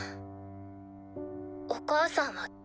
お母さんはどう？